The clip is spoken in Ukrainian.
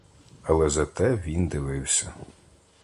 Але зате він дивився.